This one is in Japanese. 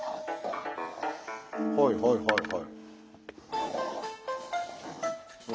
はいはいはいはい。